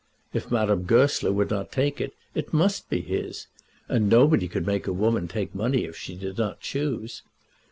If Madame Goesler wouldn't take it, it must be his; and nobody could make a woman take money if she did not choose.